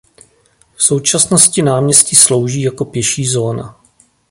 V současnosti náměstí slouží jako pěší zóna.